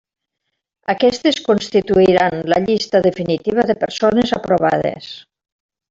Aquestes constituiran la llista definitiva de persones aprovades.